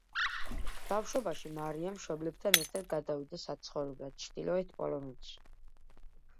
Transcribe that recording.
ბავშვობაში მარია, მშობლებთან ერთად გადავიდა საცხოვრებლად ჩრდილოეთ პოლონეთში.